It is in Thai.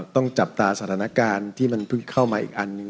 ต้องจับตาสถานการณ์ที่มันเพิ่งเข้ามาอีกอันหนึ่ง